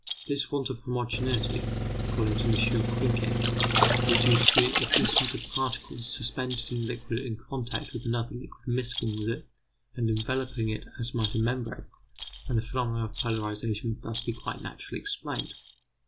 This want of homogeneity may, according to M. Quincke, be due to the existence of particles suspended in a liquid in contact with another liquid miscible with it and enveloping it as might a membrane, and the phenomena of polarization would thus be quite naturally explained.